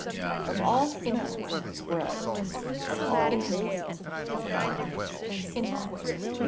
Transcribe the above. [OF ALL SMELLS, BREAD; OF ALL TASTES, SALT.] 2765.